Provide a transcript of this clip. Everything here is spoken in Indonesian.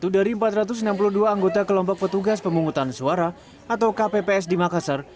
satu dari empat ratus enam puluh dua anggota kelompok petugas pemungutan suara atau kpps di makassar